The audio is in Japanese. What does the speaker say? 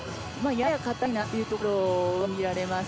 やや硬いなというところは見られます。